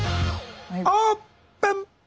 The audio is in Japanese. オープン！